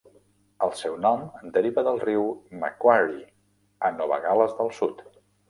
El seu nom deriva del riu Macquarie a Nova Gal·les del Sud.